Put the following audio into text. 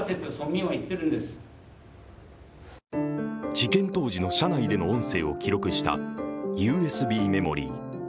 事件当時の車内での音声を記録したＵＳＢメモリー。